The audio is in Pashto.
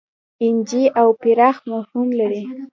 اېن جي او پراخ مفهوم لري.